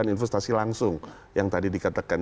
investasi langsung yang tadi dikatakan